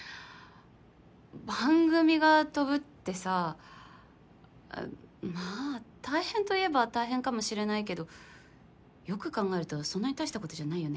番組が飛ぶってさあっまあ大変といえば大変かもしれないけどよく考えるとそんなに大したことじゃないよね。